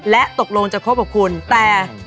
และตกลงจะคบกับคุณแต่